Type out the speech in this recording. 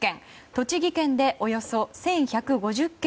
栃木県でおよそ１１５０軒